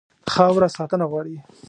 خاوره ساتنه غواړي.